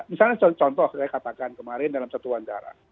misalnya contoh yang saya katakan kemarin dalam satu wajah